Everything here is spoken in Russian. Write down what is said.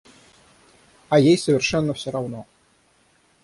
А ей совершенно всё равно.